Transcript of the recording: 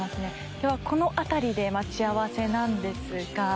今日はこの辺りで待ち合わせなんですが。